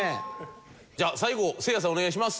じゃあ最後せいやさんお願いします。